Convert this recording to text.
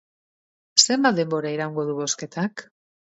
Zenbat denbora iraungo du bozketak?